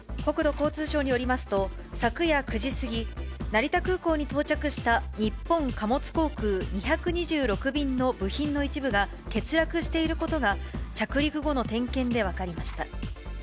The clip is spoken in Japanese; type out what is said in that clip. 国土交通省によりますと、昨夜９時過ぎ、成田空港に到着した日本貨物航空２２６便の部品の一部が欠落していることが、着陸後の点検で分かりました。